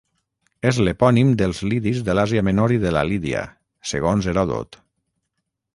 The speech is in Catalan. És l'epònim dels lidis de l'Àsia menor i de la Lídia, segons Heròdot.